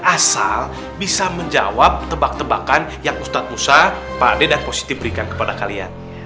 asal bisa menjawab tebak tebakan yang ustadz usa pade dan positif berikan kepada kalian